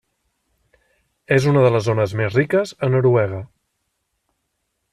És una de les zones més riques a Noruega.